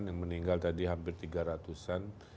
yang meninggal tadi hampir tiga ratusan